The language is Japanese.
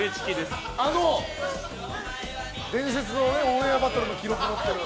あの伝説の「オンエアバトル」の記録持ってる。